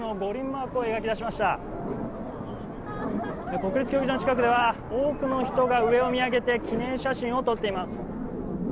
国立競技場の近くでは、多くの人が上を見上げて記念写真を撮っています。